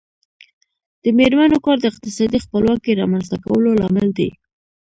د میرمنو کار د اقتصادي خپلواکۍ رامنځته کولو لامل دی.